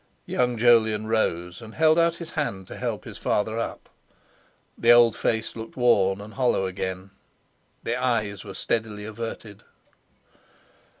Young Jolyon rose and held out his hand to help his father up. The old face looked worn and hollow again; the eyes were steadily averted.